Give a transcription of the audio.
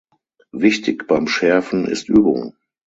Wichtig beim Schärfen ist Übung.